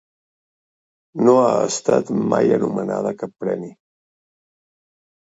No ha estat mai anomenada a cap premi.